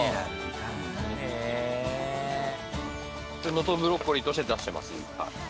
能登ブロッコリーとして出してます。